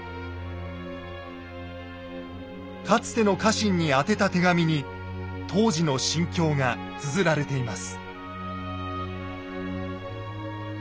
かつての家臣に宛てた手紙に当時の心境がつづられています。